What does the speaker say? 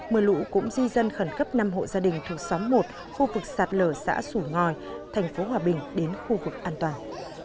mưa lũ cũng di dân khẩn cấp năm hộ gia đình thuộc xóm một khu vực sạt lở xã sủ ngòi thành phố hòa bình đến khu vực an toàn